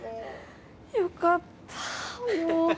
よかったもう。